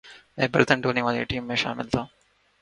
میں برتن دھونے والی ٹیم میں شامل تھا